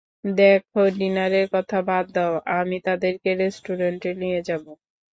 দেখো ডিনারের কথা বাদ দাও আমি তাদেরকে রেস্টুরেন্টে নিয়ে যাবো।